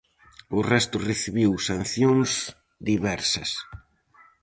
O resto recibiu sancións diversas.